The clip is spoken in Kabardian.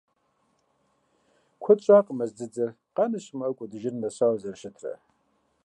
Куэд щӀакъым мэз дзыдзэр къанэ щымыӀэу кӀуэдыжыным нэсауэ зэрыщытрэ.